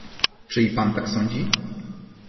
"Czy i pan tak sądzi?"